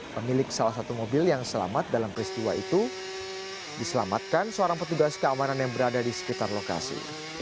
pemilik salah satu mobil yang selamat dalam peristiwa itu diselamatkan seorang petugas keamanan yang berada di sekitar lokasi